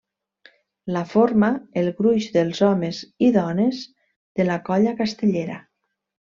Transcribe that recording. La forma el gruix dels homes i dones de la colla castellera.